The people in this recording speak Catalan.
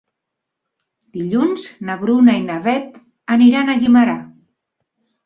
Dilluns na Bruna i na Beth aniran a Guimerà.